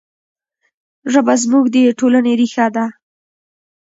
ژبه زموږ د ټولنې ریښه ده.